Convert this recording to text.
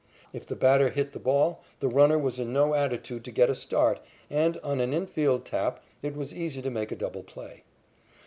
If the batter hit the ball, the runner was in no attitude to get a start, and, on an infield tap, it was easy to make a double play.